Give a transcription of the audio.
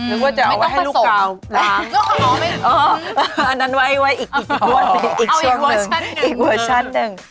ไม่ต้องประสงค์อ๋ออันนั้นไว้ไว้อีกช่วงนึงอีกเวอร์ชั่นนึง